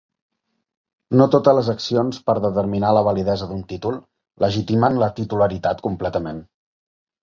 No totes les accions per determinar la validesa d'un títol "legitimen la titularitat" completament.